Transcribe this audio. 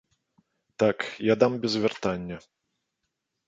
Так, я дам без вяртання.